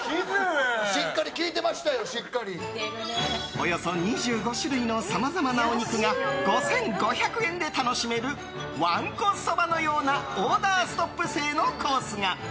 およそ２５種類のさまざまなお肉が５５００円で楽しめるわんこそばのようなオーダーストップ制のコースが。